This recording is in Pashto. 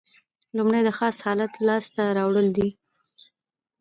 لومړی د خاص حالت لاس ته راوړل دي.